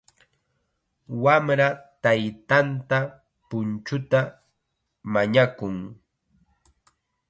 Wamra taytanta punchuta mañakun.